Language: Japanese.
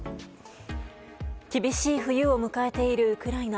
厳しい冬を迎えているウクライナ。